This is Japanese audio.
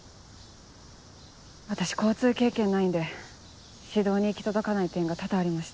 私交通経験ないんで指導に行き届かない点が多々ありまして。